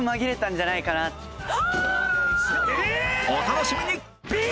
お楽しみに！